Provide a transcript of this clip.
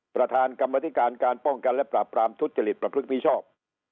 ประธานกรรมธิการการป้องกันและปราบปรามทุจริตประพฤติมิชอบ